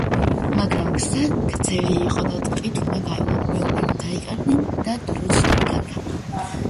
მაგრამ გზა გრძელი იყო და ტყით უნდა გაევლოთ, მეომრები დაიკარგნენ და დროც დაიკარგა.